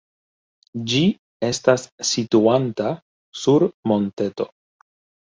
Ĝi estas situanta sur monteto.